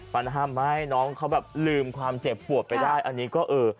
มันทำให้น้องเขาแบบลืมความเจ็บปวดไปได้อันนี้ก็เออ